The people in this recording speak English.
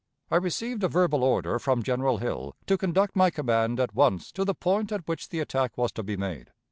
... I received a verbal order from General Hill to conduct my command at once to the point at which the attack was to be made.